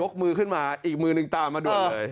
มือขึ้นมาอีกมือหนึ่งตามมาด่วนเลย